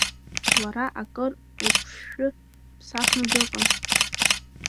Лара акыр лԥшҭәы ԥсахны дыҟан.